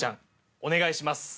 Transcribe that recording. お願いします。